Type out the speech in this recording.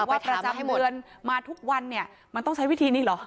ประจำเมืองมาทุกวันเนี่ยมันต้องใช้วิธีนี้เหรอ